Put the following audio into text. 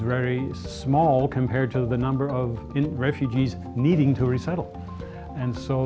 berbanding dengan jumlah penyeludup yang perlu dikembangkan